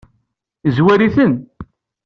Yezwar-iten?